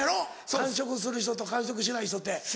完食する人と完食しない人って。